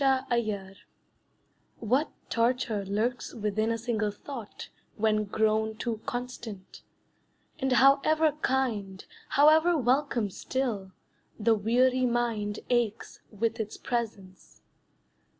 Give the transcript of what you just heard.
A Fixed Idea What torture lurks within a single thought When grown too constant, and however kind, However welcome still, the weary mind Aches with its presence.